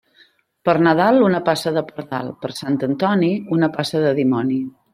Per Nadal, una passa de pardal; per Sant Antoni, una passa de dimoni.